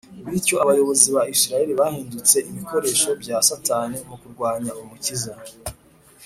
Bityo, abayobozi ba Isiraheli bahindutse ibikoresho bya Satani mu kurwanya Umukiza.